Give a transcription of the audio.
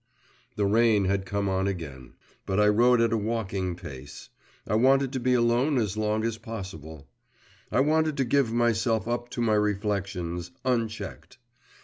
The rain had come on again, but I rode at a walking pace. I wanted to be alone as long as possible; I wanted to give myself up to my reflections, unchecked.